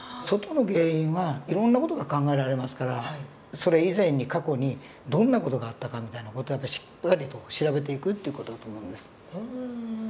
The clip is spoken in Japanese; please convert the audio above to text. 外の原因はいろんな事が考えられますからそれ以前に過去にどんな事があったかみたいな事をしっかりと調べていくという事だと思うんです。